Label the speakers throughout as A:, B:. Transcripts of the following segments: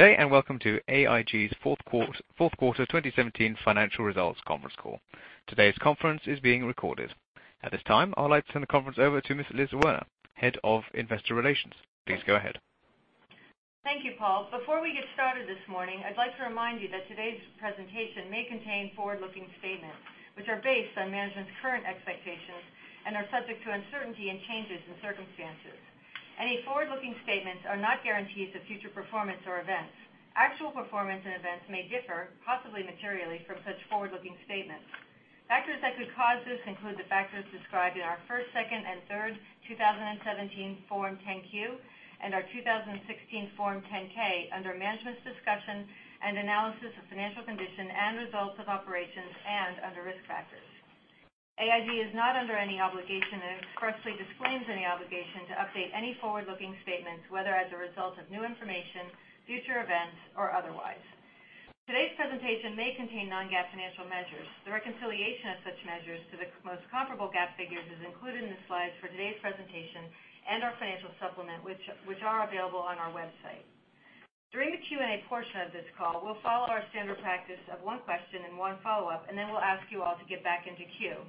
A: Good day, welcome to AIG's fourth quarter 2017 financial results conference call. Today's conference is being recorded. At this time, I would like to turn the conference over to Ms. Liz Werner, Head of Investor Relations. Please go ahead.
B: Thank you, Paul. Before we get started this morning, I'd like to remind you that today's presentation may contain forward-looking statements, which are based on management's current expectations and are subject to uncertainty and changes in circumstances. Any forward-looking statements are not guarantees of future performance or events. Actual performance and events may differ, possibly materially, from such forward-looking statements. Factors that could cause this include the factors described in our first, second, and third 2017 Form 10-Q, and our 2016 Form 10-K under management's discussion and analysis of financial condition and results of operations and under risk factors. AIG is not under any obligation and expressly disclaims any obligation to update any forward-looking statements, whether as a result of new information, future events, or otherwise. Today's presentation may contain non-GAAP financial measures. The reconciliation of such measures to the most comparable GAAP figures is included in the slides for today's presentation and our financial supplement, which are available on our website. During the Q&A portion of this call, we'll follow our standard practice of one question and one follow-up. Then we'll ask you all to get back into queue.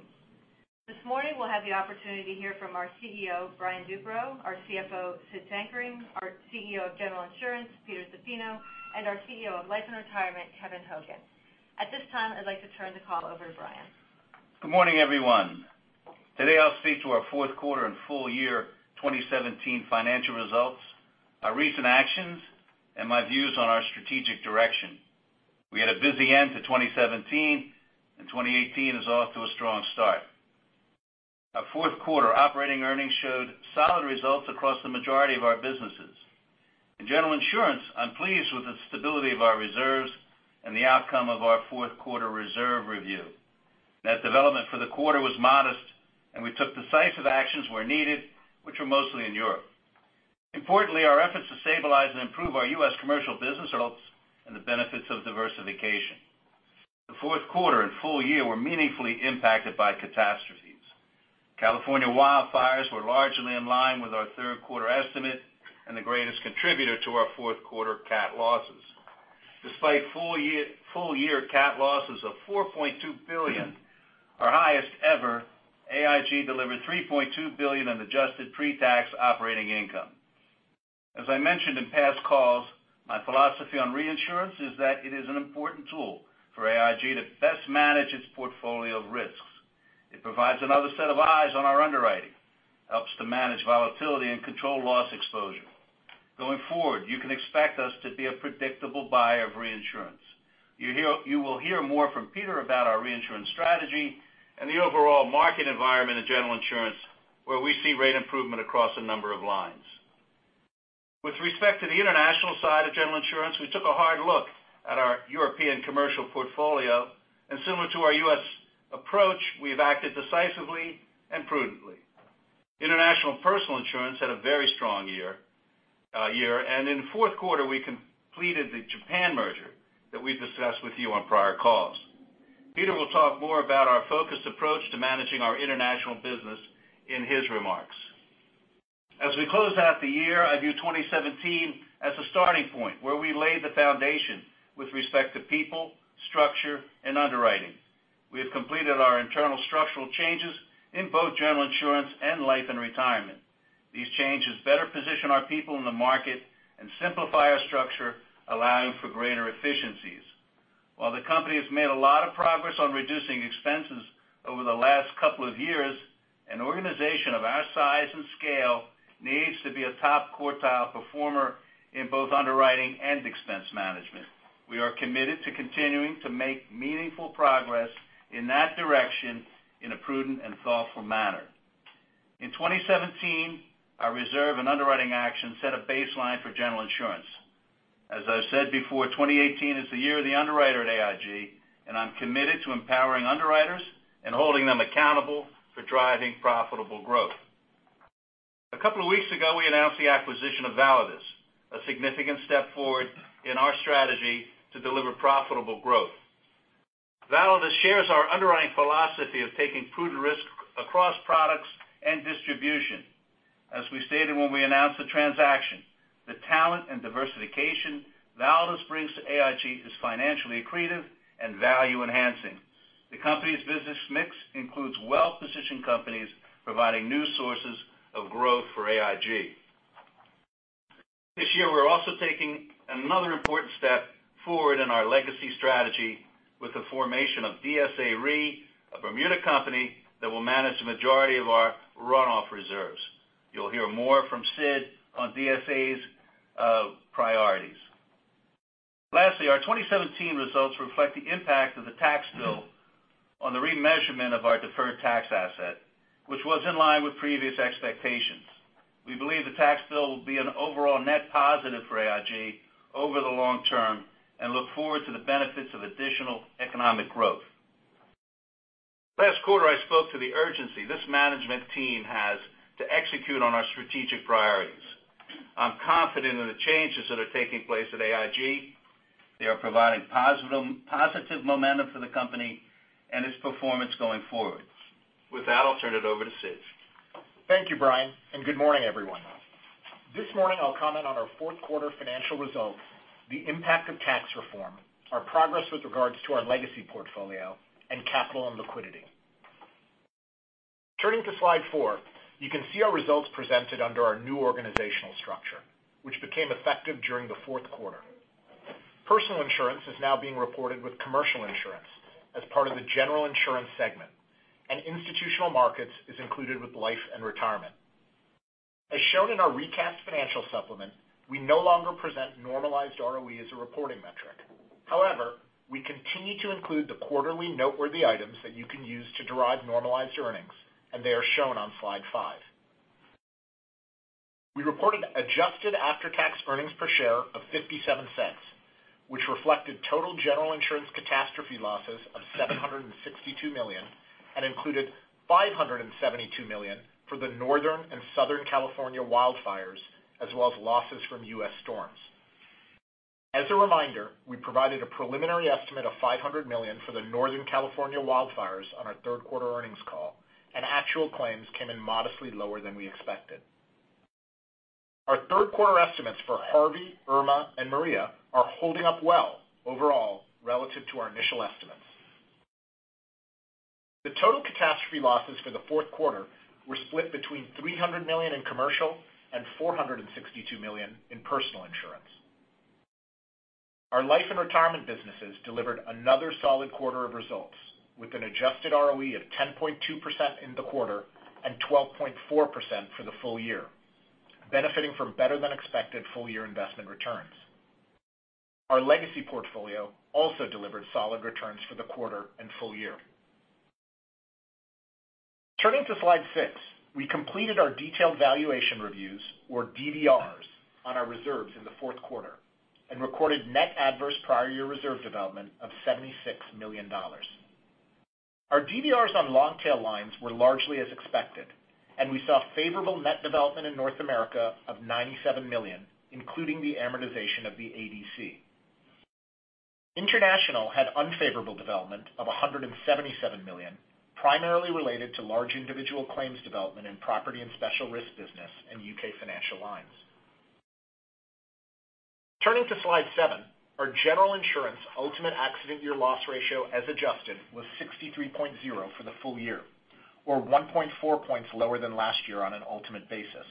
B: This morning, we'll have the opportunity to hear from our CEO, Brian Duperreault; our CFO, Sid Sankaran; our CEO of General Insurance, Peter Zaffino; and our CEO of Life & Retirement, Kevin Hogan. At this time, I'd like to turn the call over to Brian.
C: Good morning, everyone. Today I'll speak to our fourth quarter and full year 2017 financial results, our recent actions, and my views on our strategic direction. We had a busy end to 2017. 2018 is off to a strong start. Our fourth quarter operating earnings showed solid results across the majority of our businesses. In General Insurance, I'm pleased with the stability of our reserves and the outcome of our fourth quarter reserve review. Net development for the quarter was modest. We took decisive actions where needed, which were mostly in Europe. Importantly, our efforts to stabilize and improve our U.S. commercial business results and the benefits of diversification. The fourth quarter and full year were meaningfully impacted by catastrophes. California wildfires were largely in line with our third quarter estimate and the greatest contributor to our fourth quarter cat losses. Despite full-year cat losses of $4.2 billion, our highest ever, AIG delivered $3.2 billion in adjusted pre-tax operating income. As I mentioned in past calls, my philosophy on reinsurance is that it is an important tool for AIG to best manage its portfolio of risks. It provides another set of eyes on our underwriting, helps to manage volatility and control loss exposure. Going forward, you can expect us to be a predictable buyer of reinsurance. You will hear more from Peter about our reinsurance strategy and the overall market environment in General Insurance, where we see rate improvement across a number of lines. With respect to the international side of General Insurance, we took a hard look at our European commercial portfolio, and similar to our U.S. approach, we've acted decisively and prudently. International Personal Insurance had a very strong year. In the fourth quarter, we completed the Japan merger that we've discussed with you on prior calls. Peter will talk more about our focused approach to managing our international business in his remarks. As we close out the year, I view 2017 as a starting point where we laid the foundation with respect to people, structure, and underwriting. We have completed our internal structural changes in both General Insurance and Life & Retirement. These changes better position our people in the market and simplify our structure, allowing for greater efficiencies. While the company has made a lot of progress on reducing expenses over the last couple of years, an organization of our size and scale needs to be a top quartile performer in both underwriting and expense management. We are committed to continuing to make meaningful progress in that direction in a prudent and thoughtful manner. In 2017, our reserve and underwriting actions set a baseline for General Insurance. As I've said before, 2018 is the year of the underwriter at AIG, and I'm committed to empowering underwriters and holding them accountable for driving profitable growth. A couple of weeks ago, we announced the acquisition of Validus, a significant step forward in our strategy to deliver profitable growth. Validus shares our underwriting philosophy of taking prudent risk across products and distribution. As we stated when we announced the transaction, the talent and diversification Validus brings to AIG is financially accretive and value-enhancing. The company's business mix includes well-positioned companies providing new sources of growth for AIG. This year, we're also taking another important step forward in our legacy strategy with the formation of DSA Re, a Bermuda company that will manage the majority of our run-off reserves. You'll hear more from Sid on DSA's priorities. Lastly, our 2017 results reflect the impact of the tax bill on the remeasurement of our deferred tax asset, which was in line with previous expectations. We believe the tax bill will be an overall net positive for AIG over the long term and look forward to the benefits of additional economic growth. Last quarter, I spoke to the urgency this management team has to execute on our strategic priorities. I'm confident that the changes that are taking place at AIG are providing positive momentum for the company and its performance going forward. With that, I'll turn it over to Sid.
D: Thank you, Brian, and good morning, everyone. This morning I'll comment on our fourth quarter financial results, the impact of tax reform, our progress with regards to our legacy portfolio, and capital and liquidity. Turning to slide four, you can see our results presented under our new organizational structure, which became effective during the fourth quarter. Personal Insurance is now being reported with Commercial Insurance as part of the General Insurance segment, and institutional markets is included with Life & Retirement. As shown in our recast financial supplement, we no longer present normalized ROE as a reporting metric. However, we continue to include the quarterly noteworthy items that you can use to derive normalized earnings, and they are shown on slide five. We reported adjusted after-tax earnings per share of $0.57, which reflected total General Insurance catastrophe losses of $762 million and included $572 million for the Northern and Southern California wildfires, as well as losses from U.S. storms. As a reminder, we provided a preliminary estimate of $500 million for the Northern California wildfires on our third-quarter earnings call, and actual claims came in modestly lower than we expected. Our third-quarter estimates for Harvey, Irma, and Maria are holding up well overall relative to our initial estimates. The total catastrophe losses for the fourth quarter were split between $300 million in Commercial Insurance and $462 million in Personal Insurance. Our Life & Retirement businesses delivered another solid quarter of results with an adjusted ROE of 10.2% in the quarter and 12.4% for the full year, benefiting from better than expected full-year investment returns. Our legacy portfolio also delivered solid returns for the quarter and full year. Turning to slide six, we completed our Detailed Valuation Reviews, or DVRs, on our reserves in the fourth quarter and recorded net adverse prior year reserve development of $76 million. Our DVRs on long-tail lines were largely as expected, and we saw favorable net development in North America of $97 million, including the amortization of the ADC. International had unfavorable development of $177 million, primarily related to large individual claims development in property and special risk business in U.K. financial lines. Turning to slide seven, our General Insurance ultimate accident year loss ratio as adjusted was 63.0 for the full year, or 1.4 points lower than last year on an ultimate basis.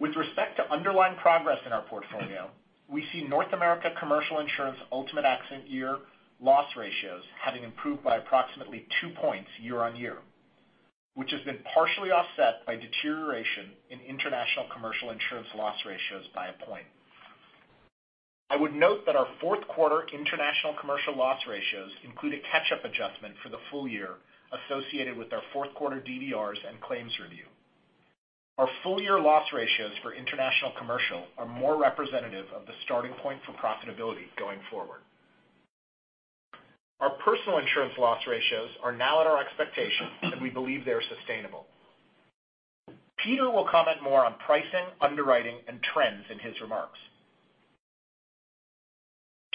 D: With respect to underlying progress in our portfolio, we see North America Commercial Insurance ultimate accident year loss ratios having improved by approximately two points year-over-year, which has been partially offset by deterioration in International Commercial Insurance loss ratios by a point. I would note that our fourth quarter International Commercial loss ratios include a catch-up adjustment for the full year associated with our fourth quarter DVRs and claims review. Our full-year loss ratios for International Commercial are more representative of the starting point for profitability going forward. Our Personal Insurance loss ratios are now at our expectations, and we believe they are sustainable. Peter will comment more on pricing, underwriting, and trends in his remarks.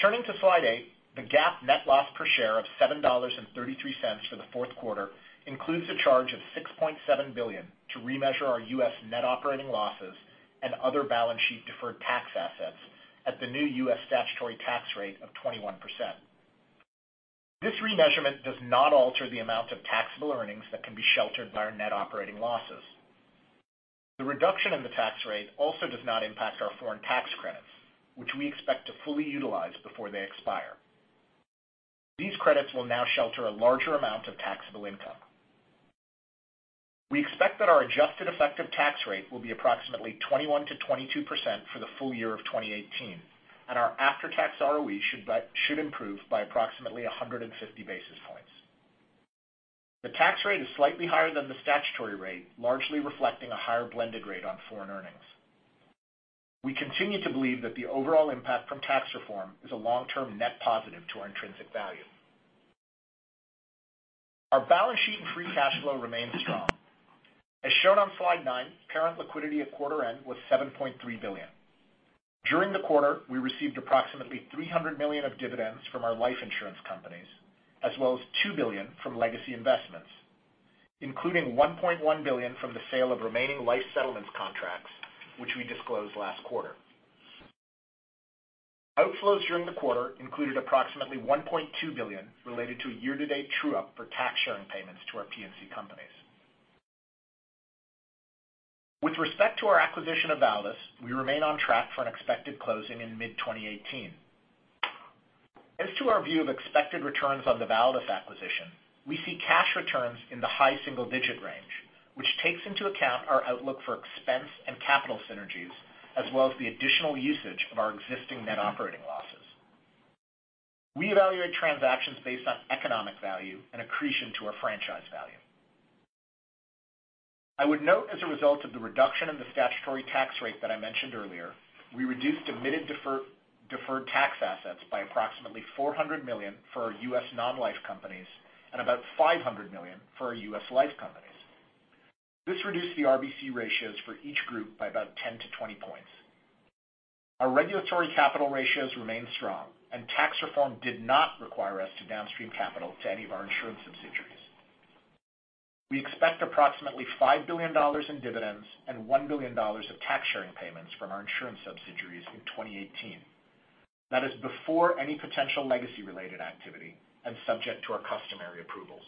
D: Turning to slide eight, the GAAP net loss per share of $7.33 for the fourth quarter includes a charge of $6.7 billion to remeasure our U.S. net operating losses and other balance sheet deferred tax assets at the new U.S. statutory tax rate of 21%. This remeasurement does not alter the amount of taxable earnings that can be sheltered by our net operating losses. The reduction in the tax rate also does not impact our foreign tax credits, which we expect to fully utilize before they expire. These credits will now shelter a larger amount of taxable income. We expect that our adjusted effective tax rate will be approximately 21%-22% for the full year of 2018, and our after-tax ROE should improve by approximately 150 basis points. The tax rate is slightly higher than the statutory rate, largely reflecting a higher blended rate on foreign earnings. We continue to believe that the overall impact from tax reform is a long-term net positive to our intrinsic value. Our balance sheet and free cash flow remains strong. As shown on slide nine, parent liquidity at quarter end was $7.3 billion. During the quarter, we received approximately $300 million of dividends from our life insurance companies, as well as $2 billion from legacy investments, including $1.1 billion from the sale of remaining life settlements contracts, which we disclosed last quarter. Outflows during the quarter included approximately $1.2 billion related to a year-to-date true-up for tax sharing payments to our P&C companies. With respect to our acquisition of Validus, we remain on track for an expected closing in mid-2018. As to our view of expected returns on the Validus acquisition, we see cash returns in the high single-digit range, which takes into account our outlook for expense and capital synergies, as well as the additional usage of our existing net operating losses. We evaluate transactions based on economic value and accretion to our franchise value. I would note as a result of the reduction in the statutory tax rate that I mentioned earlier, we reduced admitted deferred tax assets by approximately $400 million for our U.S. non-life companies and about $500 million for our U.S. life companies. This reduced the RBC ratios for each group by about 10-20 points. Our regulatory capital ratios remain strong, and tax reform did not require us to downstream capital to any of our insurance subsidiaries. We expect approximately $5 billion in dividends and $1 billion of tax sharing payments from our insurance subsidiaries in 2018. That is before any potential legacy-related activity and subject to our customary approvals.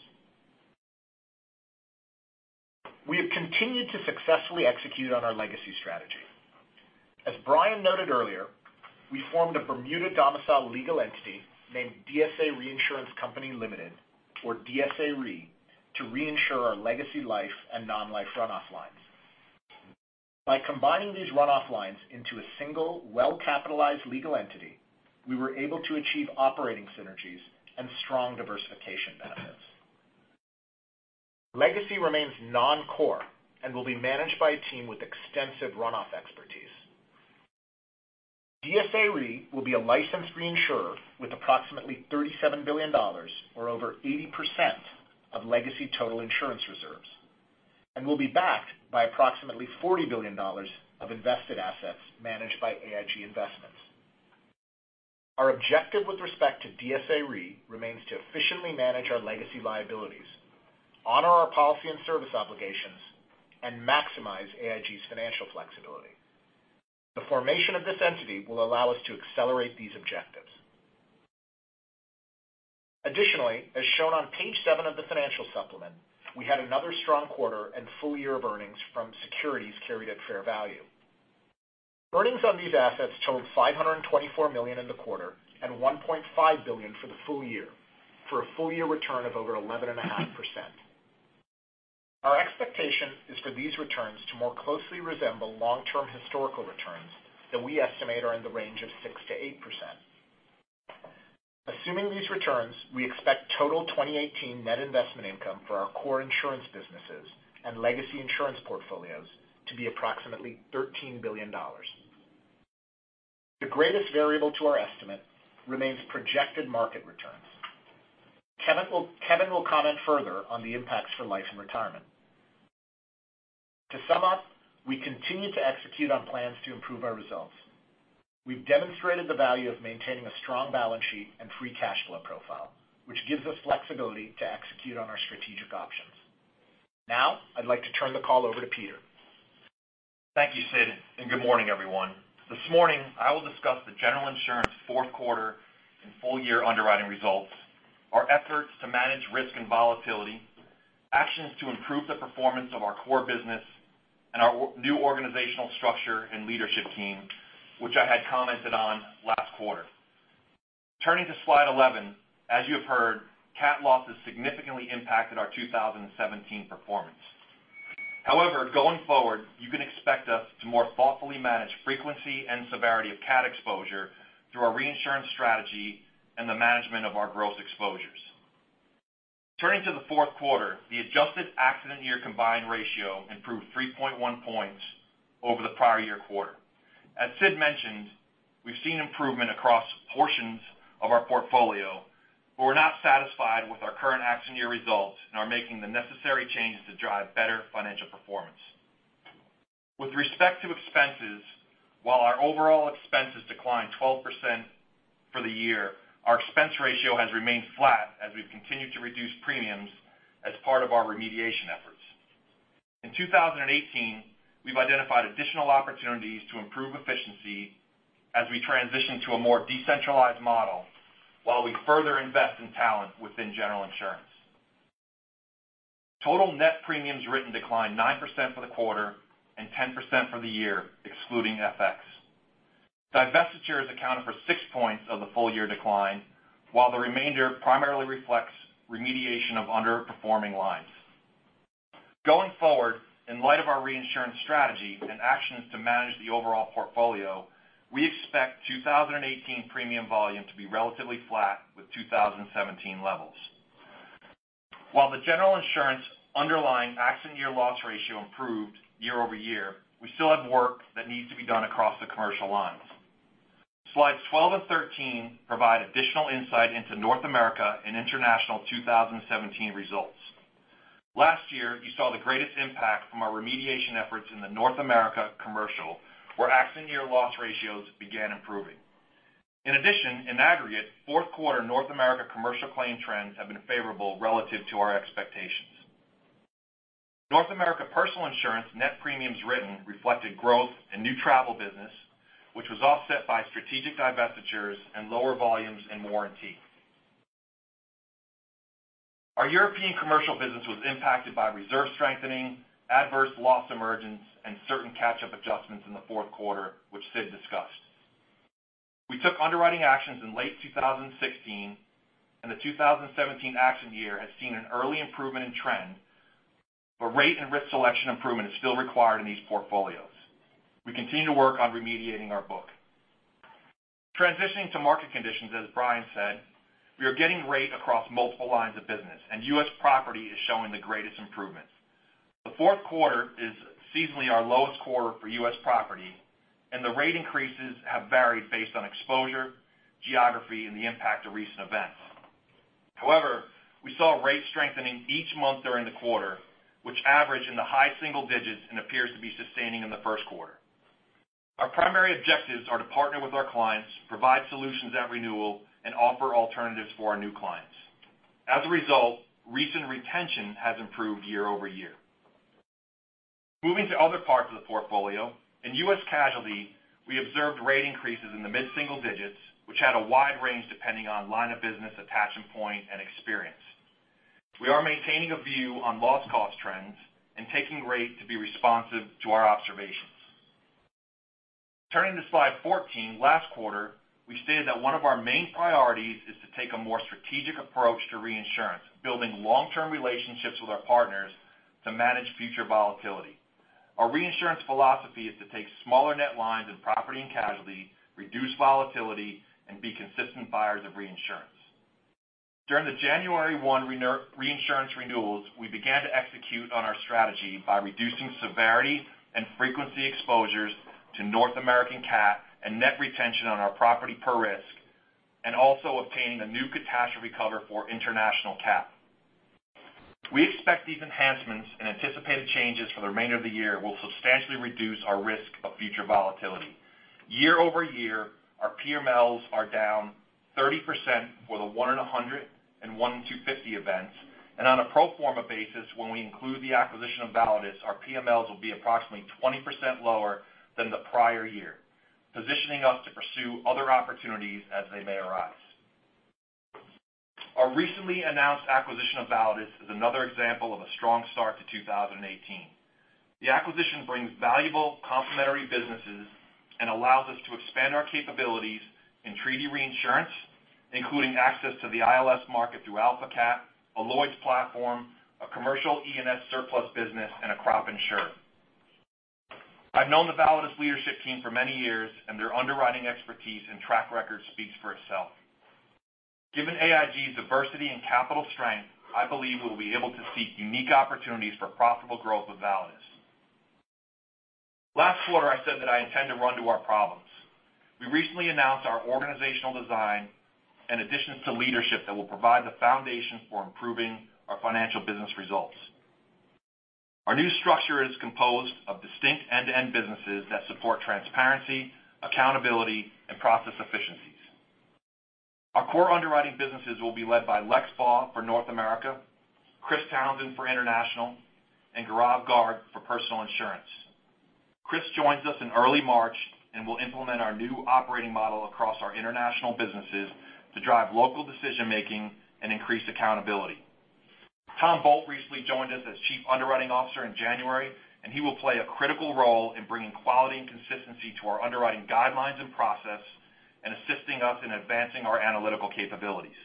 D: We have continued to successfully execute on our legacy strategy. As Brian noted earlier, we formed a Bermuda-domiciled legal entity named DSA Reinsurance Company, Ltd., or DSA Re, to reinsure our legacy life and non-life runoff lines. By combining these runoff lines into a single, well-capitalized legal entity, we were able to achieve operating synergies and strong diversification benefits. Legacy remains non-core and will be managed by a team with extensive runoff expertise. DSA Re will be a licensed reinsurer with approximately $37 billion or over 80% of legacy total insurance reserves and will be backed by approximately $40 billion of invested assets managed by AIG Investments. Our objective with respect to DSA Re remains to efficiently manage our legacy liabilities, honor our policy and service obligations, and maximize AIG's financial flexibility. The formation of this entity will allow us to accelerate these objectives. Additionally, as shown on page seven of the financial supplement, we had another strong quarter and full year of earnings from securities carried at fair value. Earnings on these assets totaled $524 million in the quarter and $1.5 billion for the full year, for a full-year return of over 11.5%. Our expectation is for these returns to more closely resemble long-term historical returns that we estimate are in the range of 6%-8%. Assuming these returns, we expect total 2018 net investment income for our core insurance businesses and legacy insurance portfolios to be approximately $13 billion. The greatest variable to our estimate remains projected market returns. Kevin will comment further on the impacts for Life & Retirement. To sum up, we continue to execute on plans to improve our results. We've demonstrated the value of maintaining a strong balance sheet and free cash flow profile, which gives us flexibility to execute on our strategic options. I'd like to turn the call over to Peter.
E: Thank you, Sid, and good morning, everyone. This morning, I will discuss the General Insurance fourth quarter and full-year underwriting results, our efforts to manage risk and volatility, actions to improve the performance of our core business, and our new organizational structure and leadership team, which I had commented on last quarter. Turning to slide 11, as you have heard, cat losses significantly impacted our 2017 performance. Going forward, you can expect us to more thoughtfully manage frequency and severity of cat exposure through our reinsurance strategy and the management of our gross exposures. Turning to the fourth quarter, the adjusted accident year combined ratio improved 3.1 points over the prior year quarter. As Sid mentioned, we've seen improvement across portions of our portfolio, but we're not satisfied with our current accident year results and are making the necessary changes to drive better financial performance. With respect to expenses, while our overall expenses declined 12% for the year, our expense ratio has remained flat as we've continued to reduce premiums as part of our remediation efforts. In 2018, we've identified additional opportunities to improve efficiency as we transition to a more decentralized model while we further invest in talent within General Insurance. Total net premiums written declined 9% for the quarter and 10% for the year, excluding FX. Divestitures accounted for six points of the full-year decline, while the remainder primarily reflects remediation of underperforming lines. Going forward, in light of our reinsurance strategy and actions to manage the overall portfolio, we expect 2018 premium volume to be relatively flat with 2017 levels. While the General Insurance underlying accident year loss ratio improved year-over-year, we still have work that needs to be done across the commercial lines. Slides 12 and 13 provide additional insight into North America and international 2017 results. Last year, you saw the greatest impact from our remediation efforts in the North America Commercial, where accident year loss ratios began improving. In addition, in aggregate, fourth quarter North America Commercial claim trends have been favorable relative to our expectations. North America Personal Insurance net premiums written reflected growth and new travel business, which was offset by strategic divestitures and lower volumes and warranty. Our European commercial business was impacted by reserve strengthening, adverse loss emergence, and certain catch-up adjustments in the fourth quarter, which Sid discussed. We took underwriting actions in late 2016, and the 2017 accident year has seen an early improvement in trend, but rate and risk selection improvement is still required in these portfolios. We continue to work on remediating our book. Transitioning to market conditions, as Brian said, we are getting rate across multiple lines of business, and U.S. property is showing the greatest improvement. The fourth quarter is seasonally our lowest quarter for U.S. property, and the rate increases have varied based on exposure, geography, and the impact of recent events. However, we saw rate strengthening each month during the quarter, which averaged in the high single digits and appears to be sustaining in the first quarter. Our primary objectives are to partner with our clients, provide solutions at renewal, and offer alternatives for our new clients. As a result, recent retention has improved year-over-year. Moving to other parts of the portfolio, in U.S. casualty, we observed rate increases in the mid-single digits, which had a wide range depending on line of business, attachment point, and experience. We are maintaining a view on loss cost trends and taking rate to be responsive to our observations. Turning to slide 14, last quarter, we stated that one of our main priorities is to take a more strategic approach to reinsurance, building long-term relationships with our partners to manage future volatility. Our reinsurance philosophy is to take smaller net lines in property and casualty, reduce volatility, and be consistent buyers of reinsurance. During the January 1 reinsurance renewals, we began to execute on our strategy by reducing severity and frequency exposures to North American Cat and net retention on our property per risk, and also obtaining a new catastrophe cover for international cat. We expect these enhancements and anticipated changes for the remainder of the year will substantially reduce our risk of future volatility. Year-over-year, our PMLs are down 30% for the one in 100 and one in 250 events, and on a pro forma basis, when we include the acquisition of Validus, our PMLs will be approximately 20% lower than the prior year, positioning us to pursue other opportunities as they may arise. Our recently announced acquisition of Validus is another example of a strong start to 2018. The acquisition brings valuable complementary businesses and allows us to expand our capabilities in treaty reinsurance, including access to the ILS market through AlphaCat, a Lloyd's platform, a commercial E&S surplus business, and a crop insurer. I've known the Validus leadership team for many years, and their underwriting expertise and track record speaks for itself. Given AIG's diversity and capital strength, I believe we'll be able to seek unique opportunities for profitable growth with Validus. Last quarter, I said that I intend to run to our problems. We recently announced our organizational design in addition to leadership that will provide the foundation for improving our financial business results. Our new structure is composed of distinct end-to-end businesses that support transparency, accountability, and process efficiencies. Our core underwriting businesses will be led by Lex Baugh for North America, Chris Townsend for International, and Gaurav Garg for Personal Insurance. Chris joins us in early March and will implement our new operating model across our International businesses to drive local decision-making and increase accountability. Tom Bolt recently joined us as Chief Underwriting Officer in January, and he will play a critical role in bringing quality and consistency to our underwriting guidelines and process and assisting us in advancing our analytical capabilities.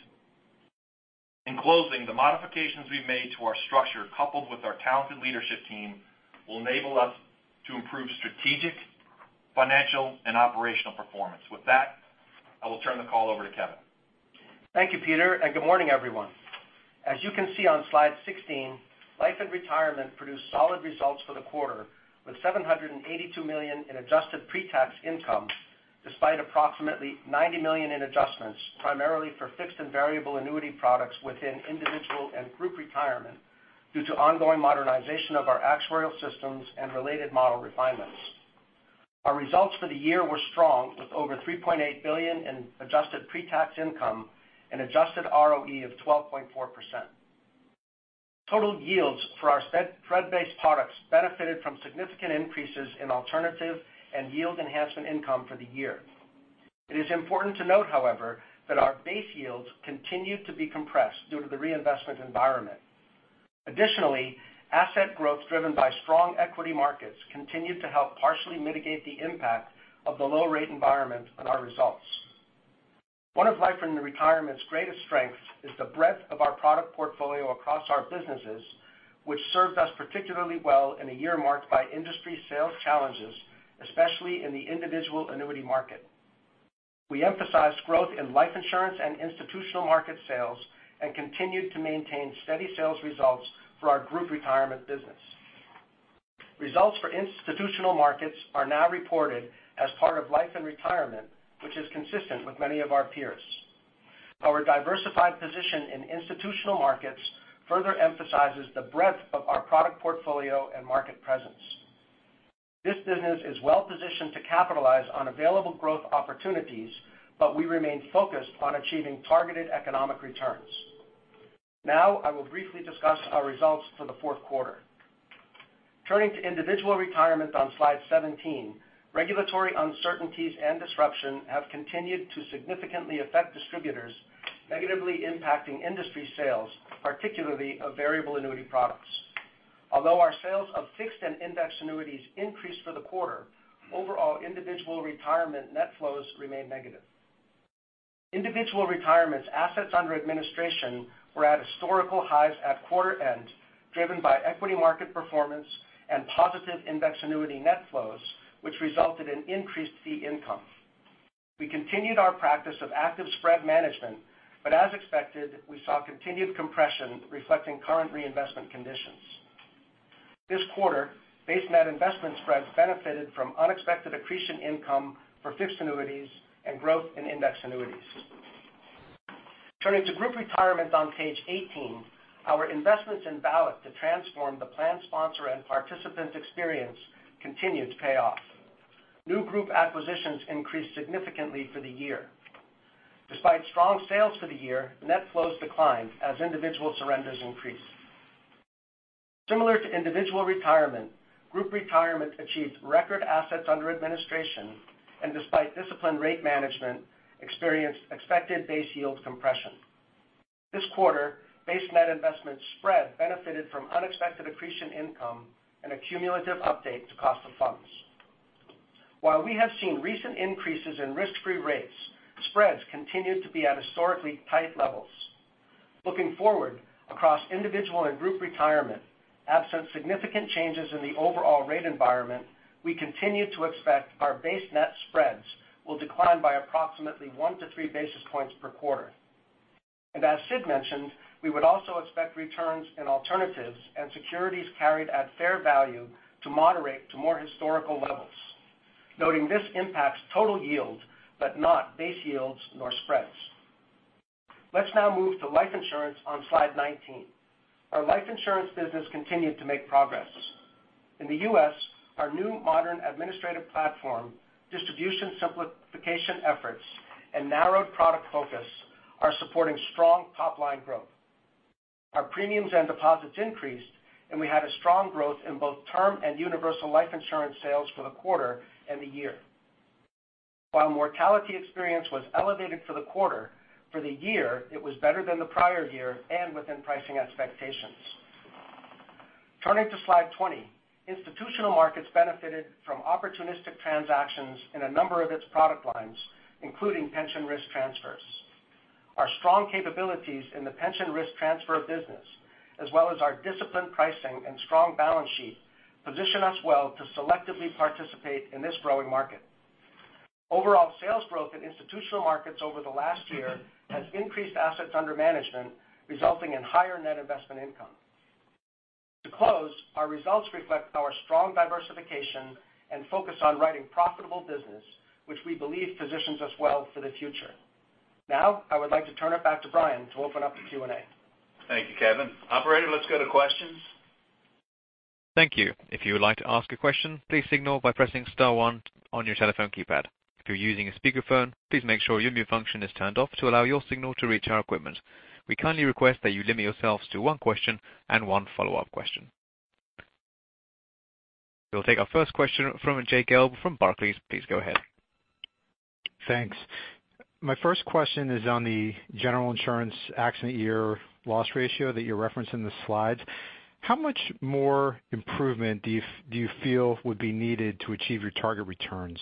E: In closing, the modifications we've made to our structure, coupled with our talented leadership team, will enable us to improve strategic, financial, and operational performance. With that, I will turn the call over to Kevin.
F: Thank you, Peter, and good morning, everyone. As you can see on slide 16, Life and Retirement produced solid results for the quarter, with $782 million in adjusted pre-tax income, despite approximately $90 million in adjustments, primarily for fixed and variable annuity products within Individual Retirement and Group Retirement due to ongoing modernization of our actuarial systems and related model refinements. Our results for the year were strong with over $3.8 billion in adjusted pre-tax income and adjusted ROE of 12.4%. Total yields for our spread-based products benefited from significant increases in alternative and yield enhancement income for the year. It is important to note, however, that our base yields continued to be compressed due to the reinvestment environment. Additionally, asset growth driven by strong equity markets continued to help partially mitigate the impact of the low-rate environment on our results. One of Life and Retirement's greatest strengths is the breadth of our product portfolio across our businesses, which served us particularly well in a year marked by industry sales challenges, especially in the individual annuity market. We emphasized growth in life insurance and institutional market sales and continued to maintain steady sales results for our Group Retirement business. Results for institutional markets are now reported as part of Life and Retirement, which is consistent with many of our peers. Our diversified position in institutional markets further emphasizes the breadth of our product portfolio and market presence. This business is well-positioned to capitalize on available growth opportunities, but we remain focused on achieving targeted economic returns. Now I will briefly discuss our results for the fourth quarter. Turning to Individual Retirement on slide 17, regulatory uncertainties and disruption have continued to significantly affect distributors, negatively impacting industry sales, particularly of variable annuity products. Although our sales of fixed and indexed annuities increased for the quarter, overall Individual Retirement net flows remained negative. Individual Retirement's assets under administration were at historical highs at quarter end, driven by equity market performance and positive indexed annuity net flows, which resulted in increased fee income. We continued our practice of active spread management, but as expected, we saw continued compression reflecting current reinvestment conditions. This quarter, base net investment spreads benefited from unexpected accretion income for fixed annuities and growth in indexed annuities. Turning to Group Retirement on page 18, our investments in VALIC to transform the plan sponsor and participant experience continue to pay off. New group acquisitions increased significantly for the year. Despite strong sales for the year, net flows declined as individual surrenders increased. Similar to Individual Retirement, Group Retirement achieved record assets under administration, and despite disciplined rate management, experienced expected base yield compression. This quarter, base net investment spread benefited from unexpected accretion income and a cumulative update to cost of funds. While we have seen recent increases in risk-free rates, spreads continued to be at historically tight levels. Looking forward across Individual and Group Retirement, absent significant changes in the overall rate environment, we continue to expect our base net spreads will decline by approximately one to three basis points per quarter. As Sid mentioned, we would also expect returns in alternatives and securities carried at fair value to moderate to more historical levels, noting this impacts total yield, but not base yields nor spreads. Let's now move to Life Insurance on slide 19. Our Life Insurance business continued to make progress. In the U.S., our new modern administrative platform, distribution simplification efforts, and narrowed product focus are supporting strong top-line growth. Our premiums and deposits increased, and we had a strong growth in both term and universal life insurance sales for the quarter and the year. While mortality experience was elevated for the quarter, for the year, it was better than the prior year and within pricing expectations. Turning to slide 20, Institutional Markets benefited from opportunistic transactions in a number of its product lines, including pension risk transfers. Our strong capabilities in the pension risk transfer business, as well as our disciplined pricing and strong balance sheet, position us well to selectively participate in this growing market. Overall sales growth in Institutional Markets over the last year has increased assets under management, resulting in higher net investment income. To close, our results reflect our strong diversification and focus on writing profitable business, which we believe positions us well for the future. Now, I would like to turn it back to Brian to open up the Q&A.
C: Thank you, Kevin. Operator, let's go to questions.
A: Thank you. If you would like to ask a question, please signal by pressing star one on your telephone keypad. If you're using a speakerphone, please make sure your mute function is turned off to allow your signal to reach our equipment. We kindly request that you limit yourselves to one question and one follow-up question. We'll take our first question from Jay Gelb from Barclays. Please go ahead.
G: Thanks. My first question is on the General Insurance accident year loss ratio that you reference in the slides. How much more improvement do you feel would be needed to achieve your target returns?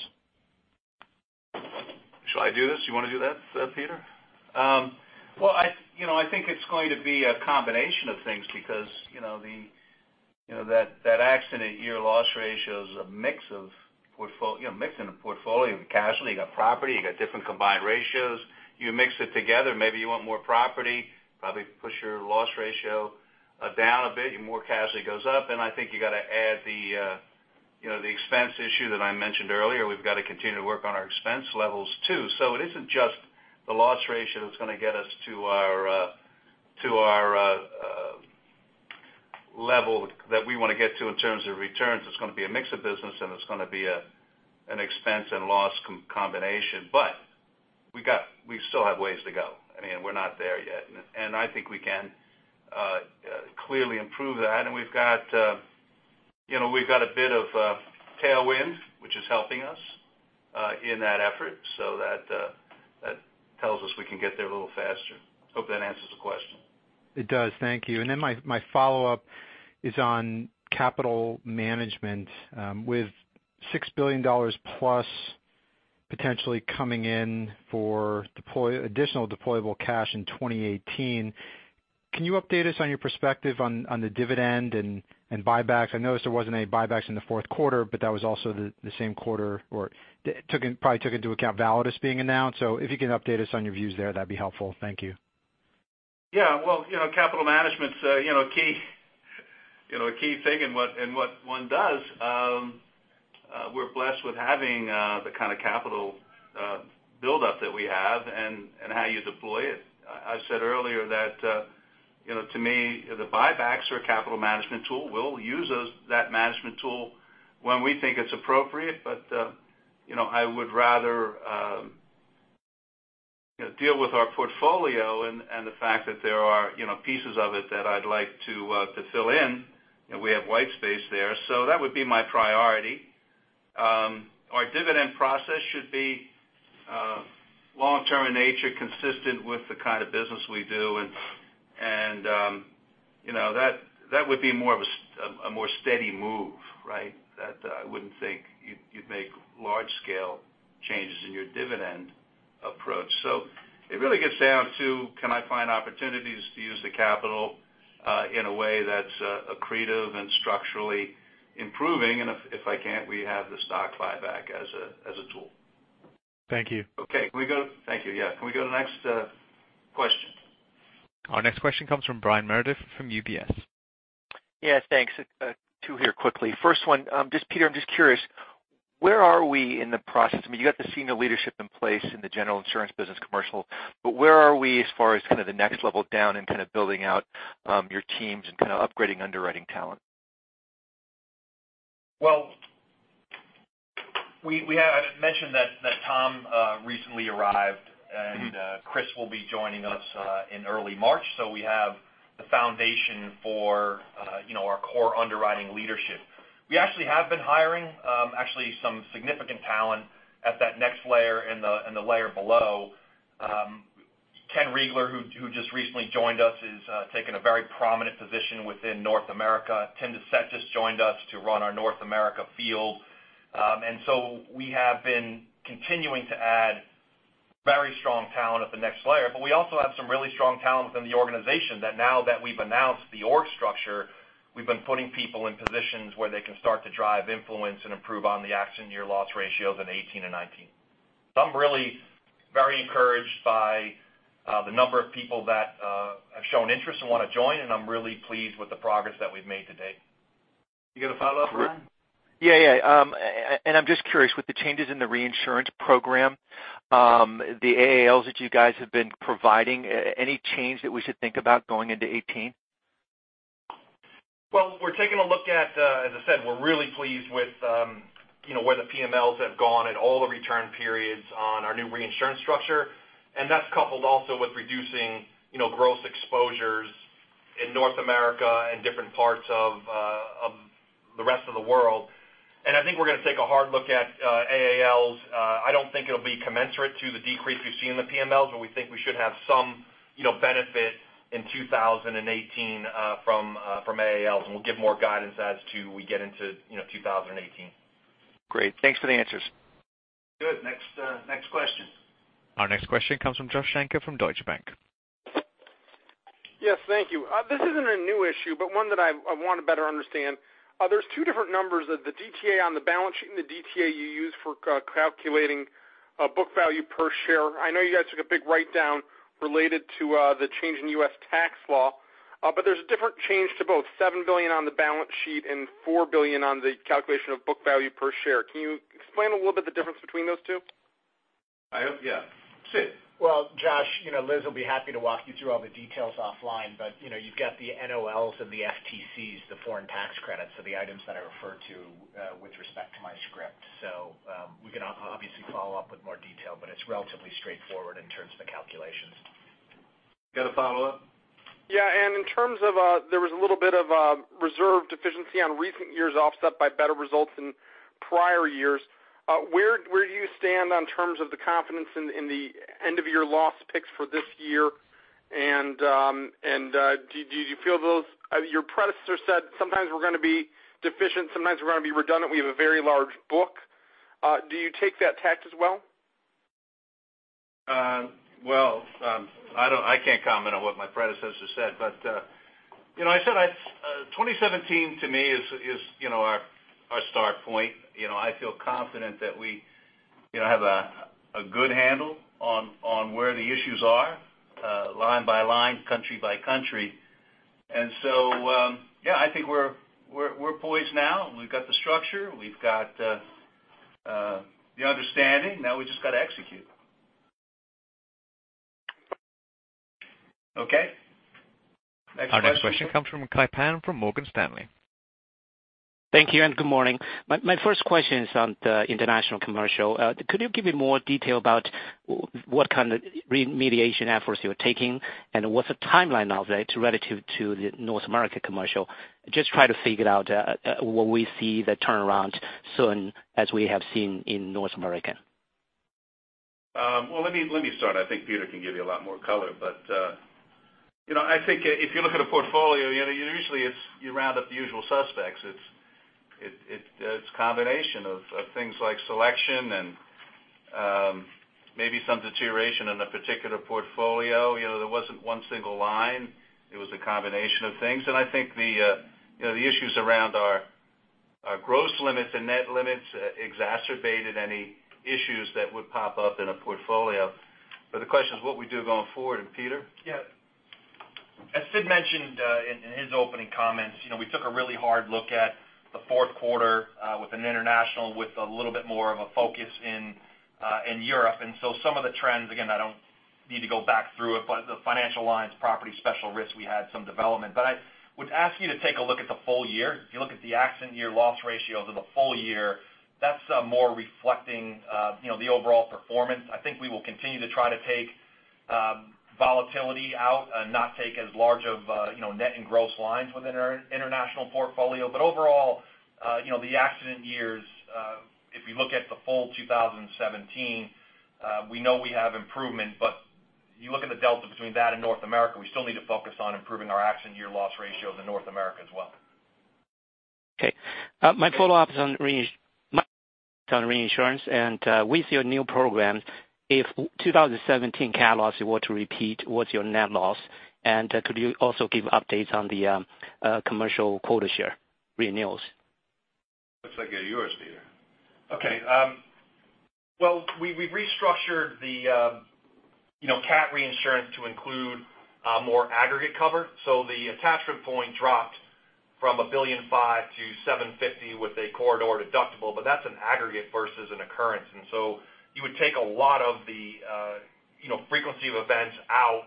C: Should I do this? You want to do that, Peter? Well, I think it's going to be a combination of things because that accident year loss ratio is a mix in a portfolio of casualty. You got property, you got different combined ratios. You mix it together, maybe you want more property, probably push your loss ratio down a bit. Your more casualty goes up, and I think you got to add the expense issue that I mentioned earlier. We've got to continue to work on our expense levels, too. It isn't just the loss ratio that's going to get us to our level that we want to get to in terms of returns. It's going to be a mix of business, and it's going to be an expense and loss combination. We still have ways to go. I mean, we're not there yet, I think we can clearly improve that. We've got a bit of a tailwind, which is helping us, in that effort. That tells us we can get there a little faster. Hope that answers the question.
G: It does. Thank you. My follow-up is on capital management. With $6 billion plus potentially coming in for additional deployable cash in 2018, can you update us on your perspective on the dividend and buybacks? I noticed there wasn't any buybacks in the fourth quarter, that was also the same quarter, or probably took into account Validus being announced. If you can update us on your views there, that'd be helpful. Thank you.
C: Yeah. Well, capital management's a key thing in what one does. We're blessed with having the kind of capital buildup that we have and how you deploy it. I said earlier that, to me, the buybacks are a capital management tool. We'll use that management tool when we think it's appropriate, I would rather deal with our portfolio and the fact that there are pieces of it that I'd like to fill in, we have white space there. That would be my priority. Our dividend process should be long-term in nature, consistent with the kind of business we do, that would be a more steady move, right? That I wouldn't think you'd make large-scale changes in your dividend approach. It really gets down to, can I find opportunities to use the capital in a way that's accretive and structurally improving? If I can't, we have the stock buyback as a tool.
G: Thank you.
C: Okay. Thank you. Can we go to the next question?
A: Our next question comes from Brian Meredith from UBS.
H: Yeah, thanks. Two here quickly. First one, Peter, I'm just curious, where are we in the process? You got the senior leadership in place in the General Insurance business Commercial, but where are we as far as kind of the next level down and kind of building out your teams and kind of upgrading underwriting talent?
E: We have mentioned that Tom recently arrived, Chris will be joining us in early March, so we have the foundation for our core underwriting leadership. We actually have been hiring, actually some significant talent at that next layer and the layer below. Ken Riegler, who just recently joined us, is taking a very prominent position within North America. Tim Doucette just joined us to run our North America field. We have been continuing to add very strong talent at the next layer, but we also have some really strong talent within the organization that now that we've announced the org structure, we've been putting people in positions where they can start to drive influence and improve on the accident year loss ratios in 2018 and 2019. I'm really very encouraged by the number of people that have shown interest and want to join, and I'm really pleased with the progress that we've made to date.
C: You got a follow-up?
H: I'm just curious, with the changes in the reinsurance program, the AALs that you guys have been providing, any change that we should think about going into 2018?
E: Well, we're taking a look at, as I said, we're really pleased with where the PMLs have gone at all the return periods on our new reinsurance structure. That's coupled also with reducing gross exposures in North America and different parts of the rest of the world. I think we're going to take a hard look at AALs. I don't think it'll be commensurate to the decrease we've seen in the PMLs, but we think we should have some benefit in 2018 from AALs, and we'll give more guidance as to we get into 2018.
H: Great. Thanks for the answers.
C: Good. Next question.
A: Our next question comes from Joshua Shanker from Deutsche Bank.
I: Yes. Thank you. This isn't a new issue, but one that I want to better understand. There's two different numbers of the DTA on the balance sheet and the DTA you use for calculating book value per share. I know you guys took a big write-down related to the change in U.S. tax law, but there's a different change to both, $7 billion on the balance sheet and $4 billion on the calculation of book value per share. Can you explain a little bit the difference between those two?
C: I hope, yeah. Sid.
D: Well, Josh, Liz will be happy to walk you through all the details offline, but you've got the NOLs and the FTCs, the foreign tax credits are the items that I refer to with respect to my script. We can obviously follow up with more detail, but it's relatively straightforward in terms of the calculations.
C: Got a follow-up?
I: Yeah. There was a little bit of a reserve deficiency on recent years offset by better results in prior years. Where do you stand in terms of the confidence in the end of year loss picks for this year? Your predecessor said, "Sometimes we're going to be deficient, sometimes we're going to be redundant. We have a very large book." Do you take that tact as well?
C: Well, I can't comment on what my predecessor said, but I said 2017 to me is our start point. I feel confident that we have a good handle on where the issues are, line by line, country by country. Yeah, I think we're poised now. We've got the structure, we've got the understanding. Now we've just got to execute. Okay. Next question.
A: Our next question comes from Kai Pan from Morgan Stanley.
J: Thank you, and good morning. My first question is on the international Commercial. Could you give me more detail about what kind of remediation efforts you're taking, and what's the timeline of it relative to the North America Commercial? Just try to figure out will we see the turnaround soon as we have seen in North America.
C: Well, let me start. I think Peter Zaffino can give you a lot more color. I think if you look at a portfolio, usually you round up the usual suspects. It's a combination of things like selection and maybe some deterioration in a particular portfolio. There wasn't one single line. It was a combination of things. I think the issues around our gross limits and net limits exacerbated any issues that would pop up in a portfolio. The question is what we do going forward, and Peter Zaffino?
E: Yeah. As Sid Sankaran mentioned in his opening comments, we took a really hard look at the fourth quarter within international with a little bit more of a focus in Europe. Some of the trends, again, I don't need to go back through it, the financial lines, property special risks, we had some development. I would ask you to take a look at the full year. If you look at the accident year loss ratios of the full year, that's more reflecting the overall performance. I think we will continue to try to take volatility out and not take as large of net and gross lines within our international portfolio. Overall, the accident years, if you look at the full 2017, we know we have improvement, but you look at the delta between that and North America, we still need to focus on improving our accident year loss ratio in North America as well.
J: Okay. My follow-up is on reinsurance. With your new program, if 2017 cat loss were to repeat, what's your net loss? Could you also give updates on the commercial quota share renewals?
C: Looks like you're yours, Peter.
E: Okay. Well, we restructured the cat reinsurance to include more aggregate cover. The attachment point dropped from $1.5 billion to $750 million with a corridor deductible. That's an aggregate versus an occurrence. You would take a lot of the frequency of events out,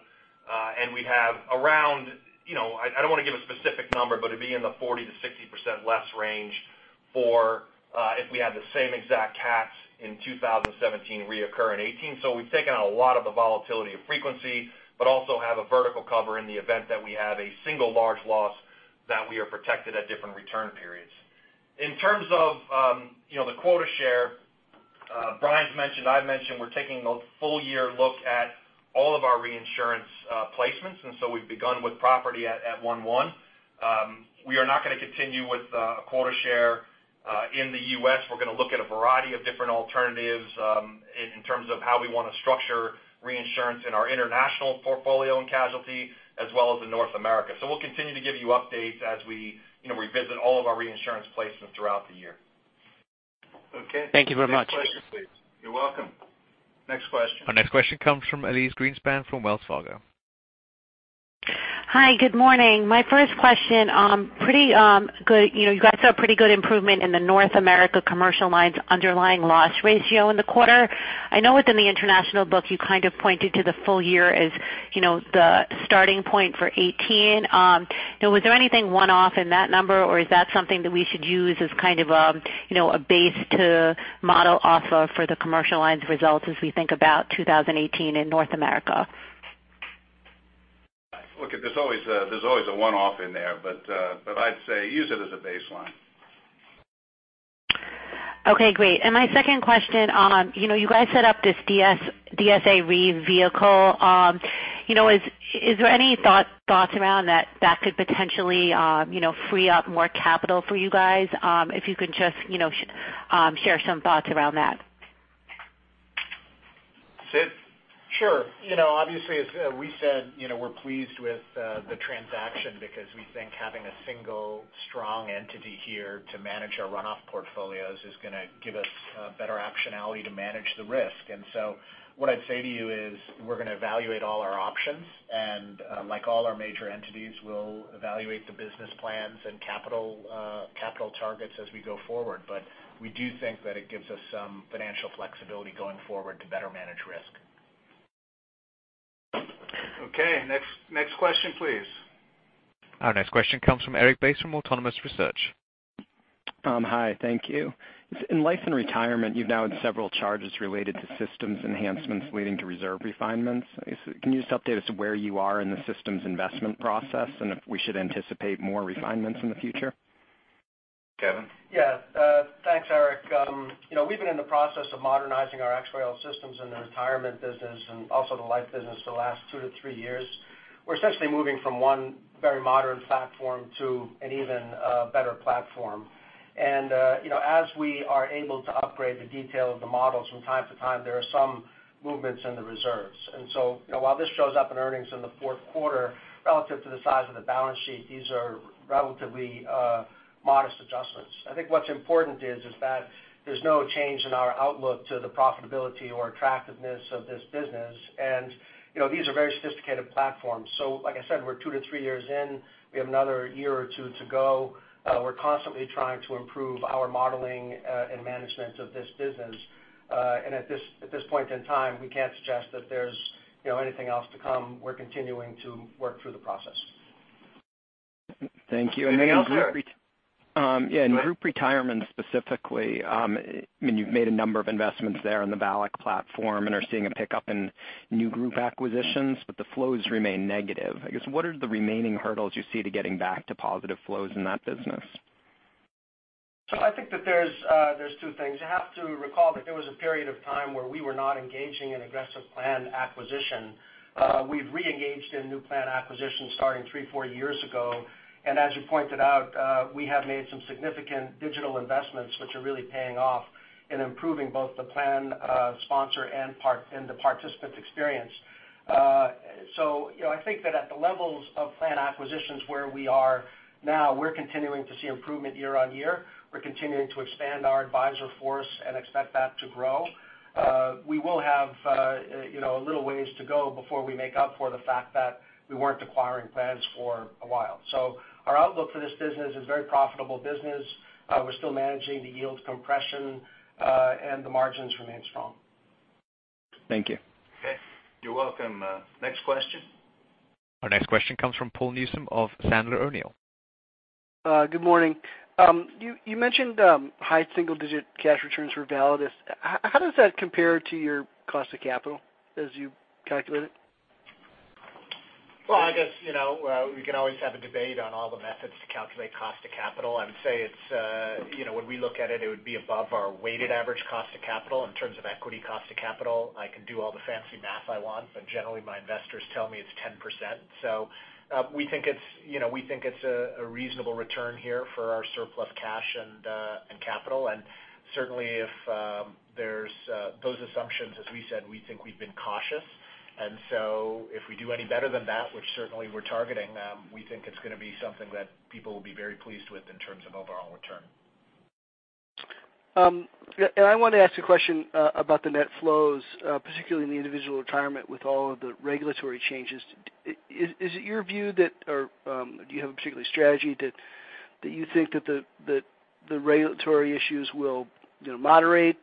E: and we have around, I don't want to give a specific number, but it'd be in the 40%-60% less range for if we had the same exact cats in 2017 reoccur in 2018. We've taken out a lot of the volatility of frequency, but also have a vertical cover in the event that we have a single large loss that we are protected at different return periods. In terms of the quota share, Brian's mentioned, I've mentioned, we're taking a full year look at all of our reinsurance placements. We've begun with property at 1/1. We are not going to continue with a quota share in the U.S. We're going to look at a variety of different alternatives in terms of how we want to structure reinsurance in our international portfolio and casualty, as well as in North America. We'll continue to give you updates as we revisit all of our reinsurance placements throughout the year.
C: Okay.
J: Thank you very much.
C: Next question, please. You're welcome. Next question.
A: Our next question comes from Elyse Greenspan from Wells Fargo.
K: Hi, good morning. My first question. You guys had a pretty good improvement in the North America Commercial Insurance underlying loss ratio in the quarter. I know within the international book you kind of pointed to the full year as the starting point for 2018. Was there anything one-off in that number, or is that something that we should use as kind of a base to model off of for the Commercial Insurance results as we think about 2018 in North America?
C: Look, there's always a one-off in there, but I'd say use it as a baseline.
K: Okay, great. My second question, you guys set up this DSA Re vehicle. Is there any thoughts around that could potentially free up more capital for you guys? If you could just share some thoughts around that.
C: Sid?
D: Sure. Obviously, as we said, we're pleased with the transaction because we think having a single strong entity here to manage our runoff portfolios is going to give us better optionality to manage the risk. What I'd say to you is we're going to evaluate all our options, and like all our major entities, we'll evaluate the business plans and capital targets as we go forward. We do think that it gives us some financial flexibility going forward to better manage risk.
C: Okay. Next question, please.
A: Our next question comes from Erik Bass, from Autonomous Research.
L: Hi, thank you. In Life & Retirement, you've now had several charges related to systems enhancements leading to reserve refinements. Can you just update us where you are in the systems investment process and if we should anticipate more refinements in the future?
C: Kevin?
F: Yeah. Thanks, Erik. We've been in the process of modernizing our actuarial systems in the retirement business and also the life business for the last two to three years. We're essentially moving from one very modern platform to an even better platform. As we are able to upgrade the detail of the models from time to time, there are some movements in the reserves. While this shows up in earnings in the fourth quarter, relative to the size of the balance sheet, these are relatively modest adjustments. I think what's important is that there's no change in our outlook to the profitability or attractiveness of this business. These are very sophisticated platforms. Like I said, we're two to three years in, we have another year or two to go. We're constantly trying to improve our modeling and management of this business.
D: At this point in time, we can't suggest that there's anything else to come. We're continuing to work through the process.
L: Thank you.
C: Anything else, Erik?
L: Yeah. In Group Retirement specifically, you've made a number of investments there in the VALIC platform and are seeing a pickup in new group acquisitions. The flows remain negative. I guess what are the remaining hurdles you see to getting back to positive flows in that business?
F: I think that there's two things. You have to recall that there was a period of time where we were not engaging in aggressive plan acquisition. We've reengaged in new plan acquisition starting three, four years ago. As you pointed out, we have made some significant digital investments which are really paying off in improving both the plan sponsor and the participant's experience. I think that at the levels of plan acquisitions where we are now, we're continuing to see improvement year-on-year. We're continuing to expand our advisor force and expect that to grow. We will have a little ways to go before we make up for the fact that we weren't acquiring plans for a while. Our outlook for this business is very profitable business. We're still managing the yield compression, and the margins remain strong.
L: Thank you.
C: Okay. You're welcome. Next question.
A: Our next question comes from Paul Newsome of Sandler O'Neill.
M: Good morning. You mentioned high single digit cash returns for Validus. How does that compare to your cost of capital as you calculate it?
D: Well, I guess we can always have a debate on all the methods to calculate cost of capital. I would say when we look at it would be above our weighted average cost of capital in terms of equity cost of capital. I can do all the fancy math I want, but generally my investors tell me it's 10%. We think it's a reasonable return here for our surplus cash and capital.
C: Certainly if there's those assumptions, as we said, we think we've been cautious. If we do any better than that, which certainly we're targeting, we think it's going to be something that people will be very pleased with in terms of overall return.
M: I wanted to ask a question about the net flows, particularly in the Individual Retirement with all of the regulatory changes. Is it your view that, or do you have a particular strategy that you think that the regulatory issues will moderate?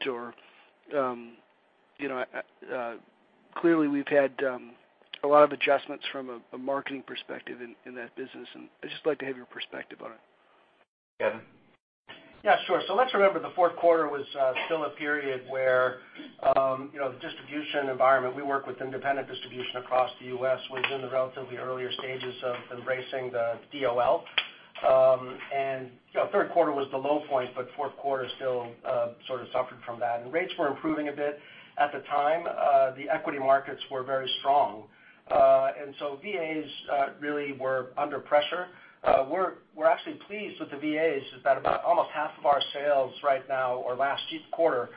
M: Clearly, we've had a lot of adjustments from a marketing perspective in that business, and I'd just like to have your perspective on it.
C: Kevin?
F: Yeah, sure. Let's remember, the fourth quarter was still a period where the distribution environment, we work with independent distribution across the U.S., was in the relatively earlier stages of embracing the DOL. Third quarter was the low point, but fourth quarter still sort of suffered from that, and rates were improving a bit at the time. The equity markets were very strong. VAs really were under pressure. We're actually pleased with the VAs, is that about almost half of our sales right now or last quarter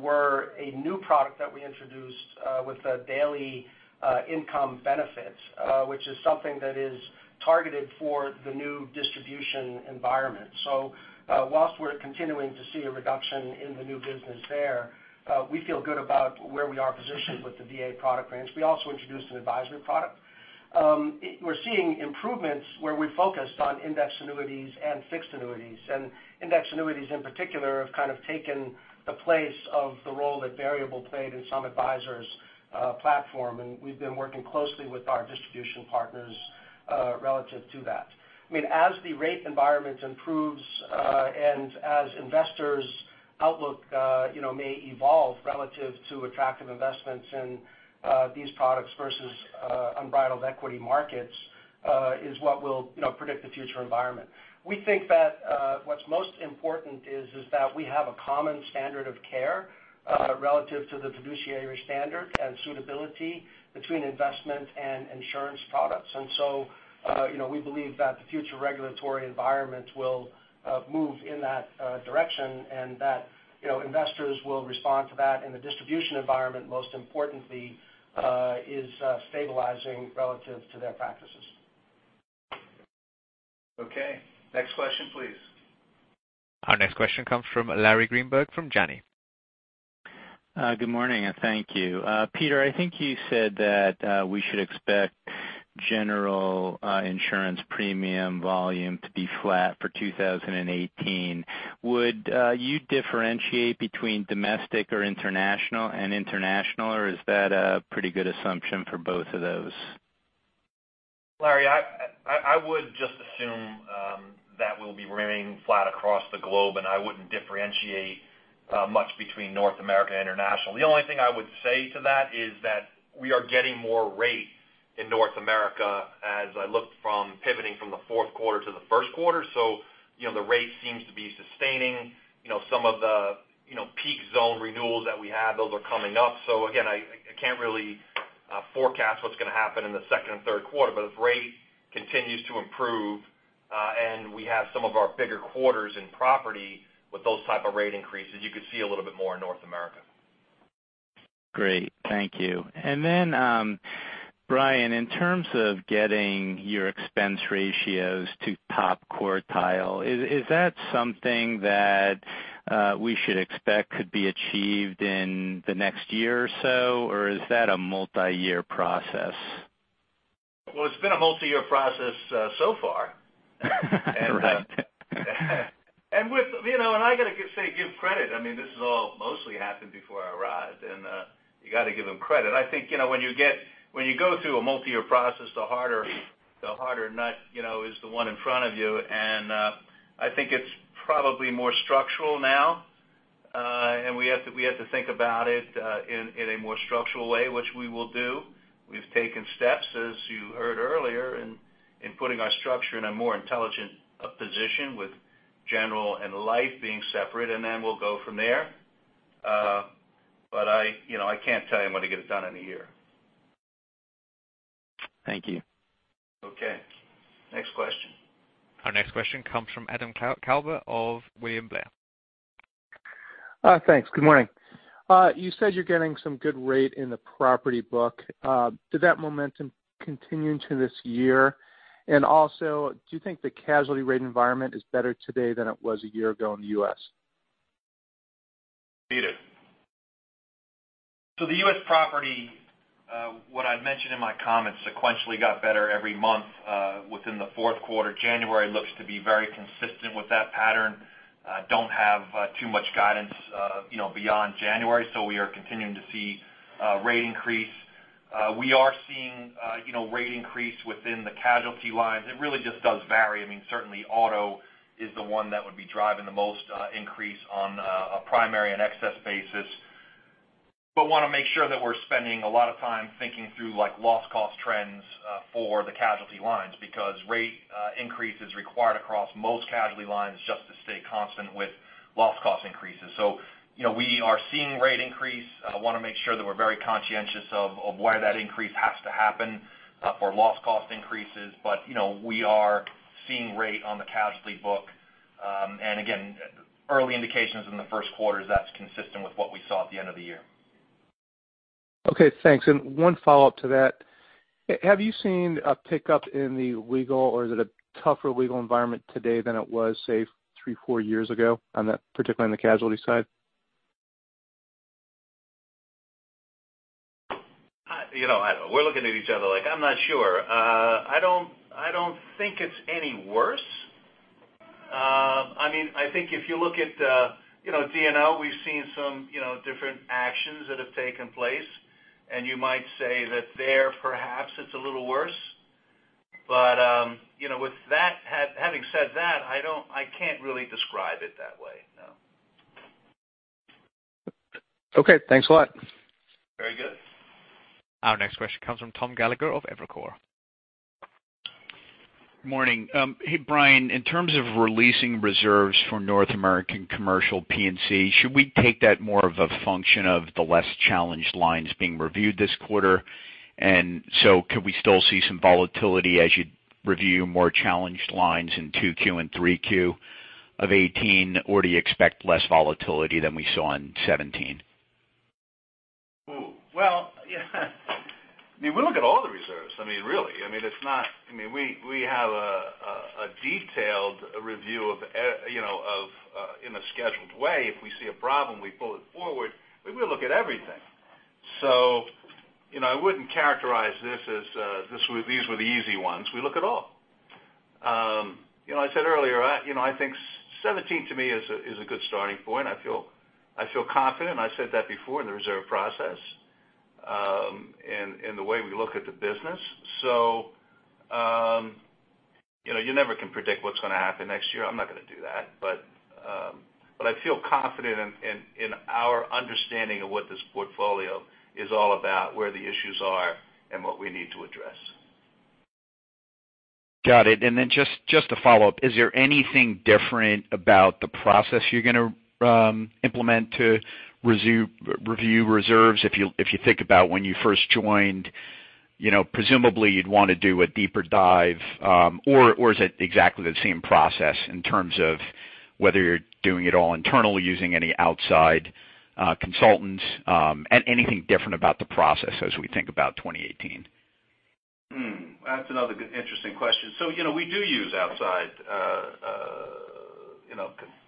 F: were a new product that we introduced with the daily income benefits, which is something that is targeted for the new distribution environment. Whilst we're continuing to see a reduction in the new business there, we feel good about where we are positioned with the VA product range. We also introduced an advisory product. We're seeing improvements where we focused on index annuities and fixed annuities. Index annuities in particular have kind of taken the place of the role that variable played in some advisor's platform, and we've been working closely with our distribution partners relative to that. As the rate environment improves, and as investors' outlook may evolve relative to attractive investments in these products versus unbridled equity markets, is what will predict the future environment. We think that what's most important is that we have a common standard of care relative to the fiduciary standard and suitability between investment and insurance products. We believe that the future regulatory environment will move in that direction and that investors will respond to that, and the distribution environment, most importantly, is stabilizing relative to their practices.
C: Okay. Next question, please.
A: Our next question comes from Larry Greenberg from Janney.
N: Good morning, and thank you. Peter, I think you said that we should expect General Insurance premium volume to be flat for 2018. Would you differentiate between domestic or international and international, or is that a pretty good assumption for both of those?
E: Larry, I would just assume that we'll be remaining flat across the globe, and I wouldn't differentiate much between North America and international. The only thing I would say to that is that we are getting more rate in North America as I look from pivoting from the fourth quarter to the first quarter. The rate seems to be sustaining some of the peak zone renewals that we had. Those are coming up. Again, I can't really forecast what's going to happen in the second and third quarter, but if rate continues to improve, and we have some of our bigger quarters in property with those type of rate increases, you could see a little bit more in North America.
N: Great. Thank you. Brian, in terms of getting your expense ratios to top quartile, is that something that we should expect could be achieved in the next year or so, or is that a multi-year process?
C: Well, it's been a multi-year process so far.
N: Right.
C: I got to say, give credit. This has all mostly happened before I arrived, and you got to give them credit. I think when you go through a multi-year process, the harder nut is the one in front of you, and I think it's probably more structural now. We have to think about it in a more structural way, which we will do. We've taken steps, as you heard earlier, in putting our structure in a more intelligent position with General and Life being separate, then we'll go from there. I can't tell you I'm going to get it done in a year.
N: Thank you.
C: Okay. Next question.
A: Our next question comes from Adam Klauber of William Blair.
O: Thanks. Good morning. You said you're getting some good rate in the property book. Did that momentum continue into this year? Also, do you think the casualty rate environment is better today than it was a year ago in the U.S.?
C: Peter.
E: The U.S. property, what I mentioned in my comments, sequentially got better every month within the fourth quarter. January looks to be very consistent with that pattern. Don't have too much guidance beyond January, we are continuing to see rate increase. We are seeing rate increase within the casualty lines. It really just does vary. Certainly auto is the one that would be driving the most increase on a primary and excess basis. Want to make sure that we're spending a lot of time thinking through loss cost trends for the casualty lines because rate increase is required across most casualty lines just to stay constant with loss cost increases. We are seeing rate increase. Want to make sure that we're very conscientious of where that increase has to happen for loss cost increases. We are seeing rate on the casualty book. Again, early indications in the first quarter is that's consistent with what we saw at the end of the year.
O: Okay, thanks. One follow-up to that. Have you seen a pickup in the legal, or is it a tougher legal environment today than it was, say, three, four years ago, particularly on the casualty side?
C: We're looking at each other like, I'm not sure. I don't think it's any worse. I think if you look at D&O, we've seen some different actions that have taken place, and you might say that there, perhaps it's a little worse. Having said that, I can't really describe it that way, no.
O: Okay. Thanks a lot.
C: Very good.
A: Our next question comes from Thomas Gallagher of Evercore.
P: Morning. Hey, Brian, in terms of releasing reserves for North American Commercial P&C, should we take that more of a function of the less challenged lines being reviewed this quarter? Could we still see some volatility as you review more challenged lines in 2Q and 3Q of 2018, or do you expect less volatility than we saw in 2017?
C: Well, yeah. We look at all the reserves. Really. We have a detailed review in a scheduled way. If we see a problem, we pull it forward. We look at everything. I wouldn't characterize this as these were the easy ones. We look at all. I said earlier, I think 2017 to me is a good starting point. I feel confident, I said that before, in the reserve process, and in the way we look at the business. You never can predict what's going to happen next year. I'm not going to do that. I feel confident in our understanding of what this portfolio is all about, where the issues are, and what we need to address.
P: Got it. Just a follow-up. Is there anything different about the process you're going to implement to review reserves? If you think about when you first joined, presumably you'd want to do a deeper dive, or is it exactly the same process in terms of whether you're doing it all internally using any outside consultants? Anything different about the process as we think about 2018?
C: That's another good, interesting question. We do use outside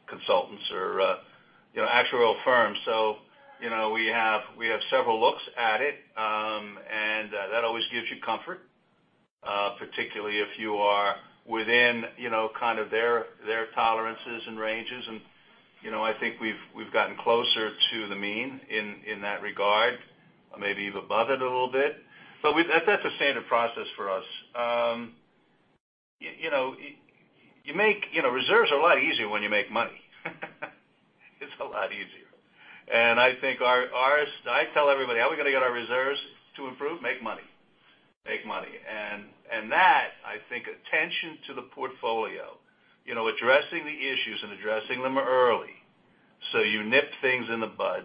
C: consultants or actuarial firms. We have several looks at it, and that always gives you comfort, particularly if you are within their tolerances and ranges, and I think we've gotten closer to the mean in that regard, maybe even above it a little bit. That's a standard process for us. Reserves are a lot easier when you make money. It's a lot easier. I tell everybody, how are we going to get our reserves to improve? Make money. That, I think attention to the portfolio, addressing the issues and addressing them early, so you nip things in the bud,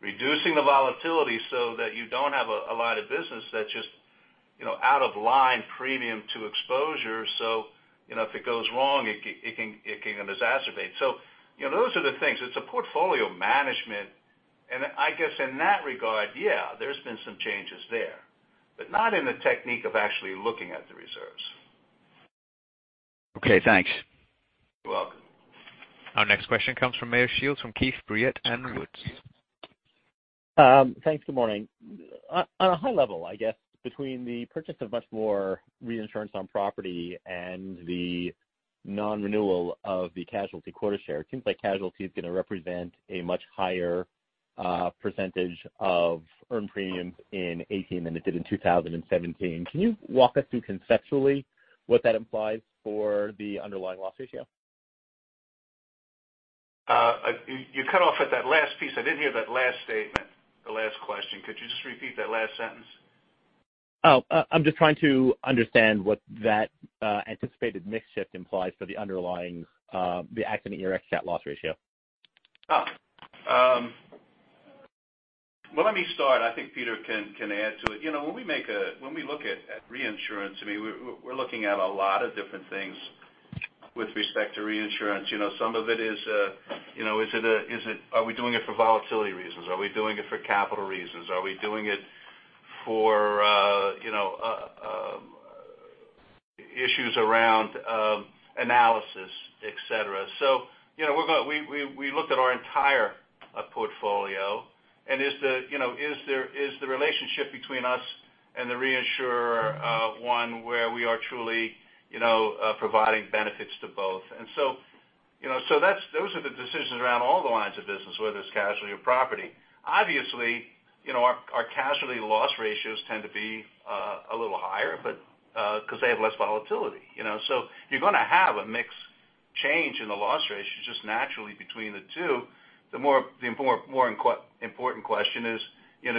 C: reducing the volatility so that you don't have a lot of business that's just out of line premium to exposure. If it goes wrong, it can exacerbate. Those are the things. It's a portfolio management, and I guess in that regard, yeah, there's been some changes there, but not in the technique of actually looking at the reserves.
P: Okay, thanks.
C: You're welcome.
A: Our next question comes from Meyer Shields from Keefe, Bruyette & Woods.
Q: Thanks. Good morning. On a high level, I guess between the purchase of much more reinsurance on property and the non-renewal of the casualty quota share, it seems like casualty is going to represent a much higher % of earned premiums in 2018 than it did in 2017. Can you walk us through conceptually what that implies for the underlying loss ratio?
C: You cut off at that last piece. I didn't hear that last statement, the last question. Could you just repeat that last sentence?
Q: I'm just trying to understand what that anticipated mix shift implies for the underlying, the accident year ex-cat loss ratio.
C: Well, let me start. I think Peter can add to it. When we look at reinsurance, we're looking at a lot of different things with respect to reinsurance. Some of it is, are we doing it for volatility reasons? Are we doing it for capital reasons? Are we doing it for issues around analysis, et cetera? We looked at our entire portfolio, is the relationship between us and the reinsurer one where we are truly providing benefits to both? Those are the decisions around all the lines of business, whether it's casualty or property. Obviously, our casualty loss ratios tend to be a little higher because they have less volatility. You're going to have a mix change in the loss ratios just naturally between the two. The more important question is,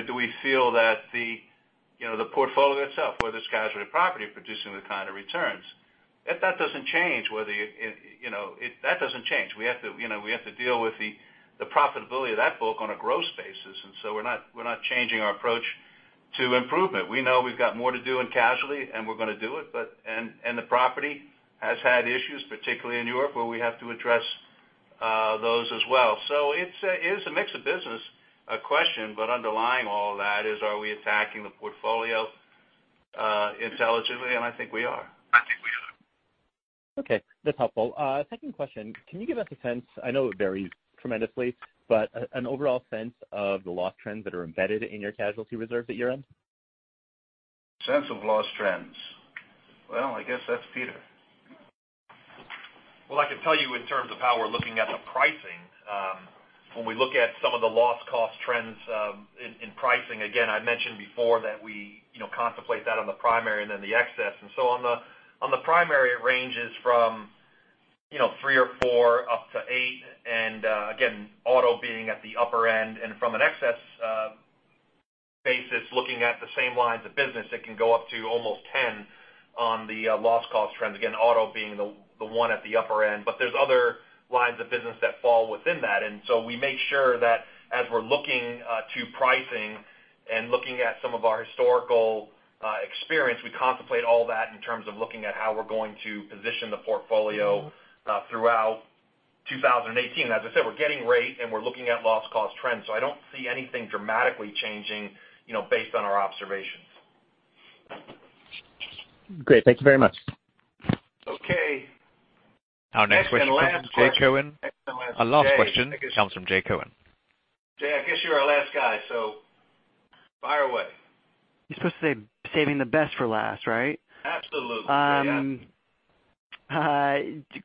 C: do we feel that the portfolio itself, whether it's casualty or property, producing the kind of returns? If that doesn't change, we have to deal with the profitability of that book on a gross basis. We're not changing our approach to improvement. We know we've got more to do in casualty, we're going to do it. The property has had issues, particularly in New York, where we have to address those as well. It's a mix of business question, underlying all of that is, are we attacking the portfolio intelligently? I think we are.
E: I think we are.
Q: Okay, that's helpful. Second question, can you give us a sense, I know it varies tremendously, but an overall sense of the loss trends that are embedded in your casualty reserves at year-end?
C: Sense of loss trends. Well, I guess that's Peter.
E: Well, I can tell you in terms of how we're looking at the pricing, when we look at some of the loss cost trends in pricing, again, I mentioned before that we contemplate that on the primary and then the excess. On the primary, it ranges from three or four up to eight, and again, auto being at the upper end. From an excess basis, looking at the same lines of business, it can go up to almost 10 on the loss cost trends. Again, auto being the one at the upper end. There's other lines of business that fall within that. We make sure that as we're looking to pricing and looking at some of our historical experience, we contemplate all that in terms of looking at how we're going to position the portfolio throughout 2018. As I said, we're getting rate and we're looking at loss cost trends. I don't see anything dramatically changing based on our observations.
Q: Great. Thank you very much.
C: Okay.
A: Our next question comes from Jay Cohen. Our last question comes from Jay Cohen.
C: Jay, I guess you're our last guy, fire away.
R: You're supposed to say, saving the best for last, right?
C: Absolutely. Yeah.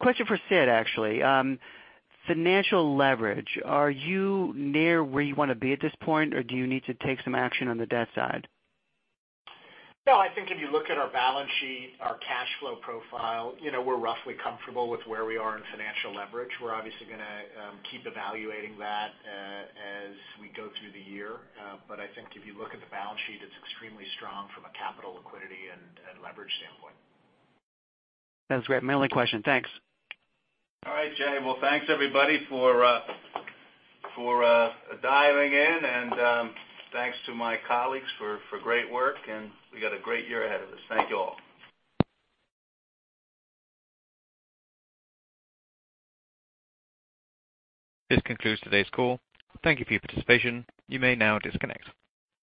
R: Question for Sid, actually. Financial leverage, are you near where you want to be at this point, or do you need to take some action on the debt side?
D: I think if you look at our balance sheet, our cash flow profile, we're roughly comfortable with where we are in financial leverage. We're obviously going to keep evaluating that as we go through the year. I think if you look at the balance sheet, it's extremely strong from a capital liquidity and leverage standpoint.
R: That's great. My only question. Thanks.
C: All right, Jay. Well, thanks everybody for diving in, and thanks to my colleagues for great work. We got a great year ahead of us. Thank you all.
A: This concludes today's call. Thank you for your participation. You may now disconnect.